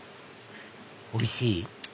おいしい？